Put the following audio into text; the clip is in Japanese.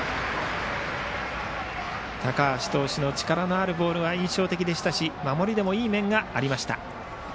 高橋投手の力のあるボールが印象的でしたし守りでもいい面がありました。